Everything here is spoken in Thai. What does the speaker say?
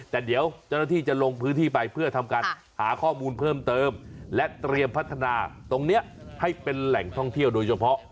แต่เดี๋ยวเจ้าหน้าที่จะลงพื้นที่ไปเพื่อทำการหาข้อมูลเพิ่มเติมและเตรียมพัฒนาตรงนี้ให้เป็นแหล่งท่องเที่ยวโดยเฉพาะ